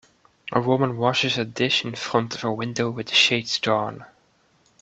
A woman washes a dish in front of a window with the shades drawn.